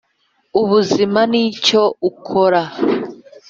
ubuzima nicyo ukora